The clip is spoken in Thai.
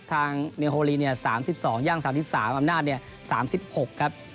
ทางเมียโฮลีเนี่ย๓๒ย่าง๓๓อำนาจ๓๖ครับ